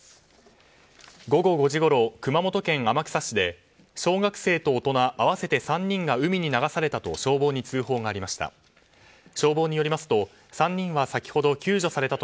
午後５時ごろ、熊本県天草市で小学生と大人合わせて３人が海に流されたと消防に通報がありました。